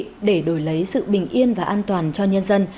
thưa quý vị để đổi lấy sự bình yên và an toàn cho nhân dân